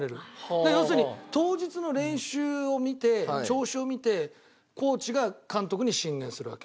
だから要するに当日の練習を見て調子を見てコーチが監督に進言するわけ。